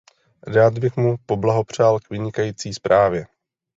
Rád bych mu poblahopřál k vynikající zprávě.